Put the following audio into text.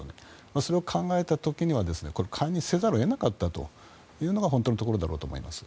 それを考えた時には解任せざるを得なかったのが本当のところだと思います。